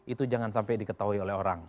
itu jangan sampai diketahui oleh orang